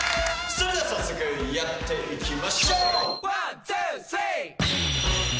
それでは早速やっていきま。